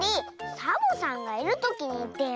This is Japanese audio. サボさんがいるときにいってよ。